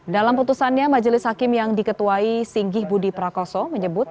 dalam putusannya majelis hakim yang diketuai singgih budi prakoso menyebut